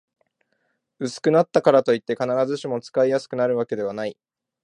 薄くなったからといって、必ずしも使いやすくなるわけではない